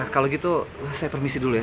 kalau gitu saya permisi dulu ya